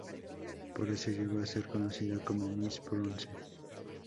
Por eso llegó a ser conocida como "Miss Bronce".